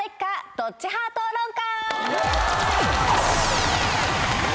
⁉どっち派討論会！